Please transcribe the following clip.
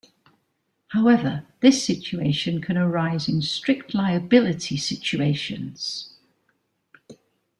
However, this situation can arise in strict liability situations.